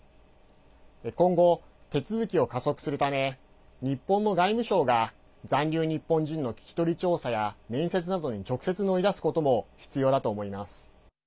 今後、手続きを加速するため日本の外務省が残留日本人の聞き取り調査や面接などに直接乗り出すことも必要だと思います。